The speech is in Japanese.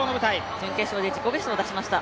準決勝で自己ベストを出しました。